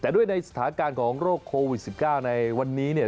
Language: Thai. ด้วยในสถาคารของโรคโควิด๑๙ในวันนี้